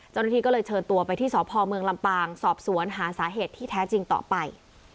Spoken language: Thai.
เจ้าหน้าที่ก็เลยเชิญตัวไปที่สพเมืองลำปางสอบสวนหาสาเหตุที่แท้จริงต่อไป